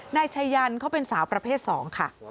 นายชายันเขาเป็นสาวประเภท๒ค่ะ